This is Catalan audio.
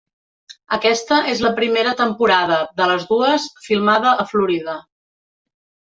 Aquesta és la primera temporada, de les dues, filmada a Florida.